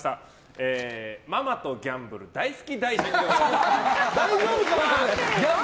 ママとギャンブル大好き大臣でございます。